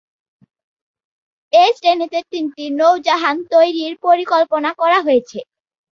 এই শ্রেণিতে তিনটি নৌযান তৈরির পরিকল্পনা করা হয়েছে।